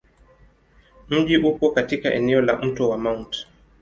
Mji upo katika eneo la Mto wa Mt.